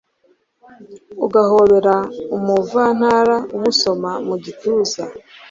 ugahobera umuvantara umusoma mu gituza